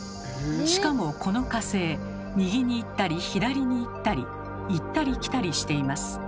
しかもこの火星右に行ったり左に行ったり行ったり来たりしています。